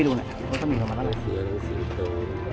ตอนนี้เจออะไรบ้างครับ